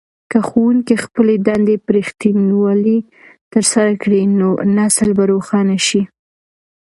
که ښوونکي خپلې دندې په رښتینولۍ ترسره کړي نو نسل به روښانه شي.